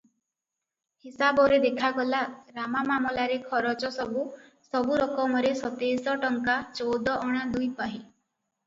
ହିସାବରେ ଦେଖାଗଲା, ରାମା ମାମଲାରେ ଖରଚ ସବୁ ସବୁ ରକମରେ ସତେଇଶ ଟଙ୍କା ଚଉଦ ଅଣା ଦୁଇପାହି ।